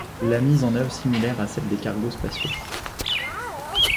La mise en oeuvre similaire à celle des cargos spatiaux.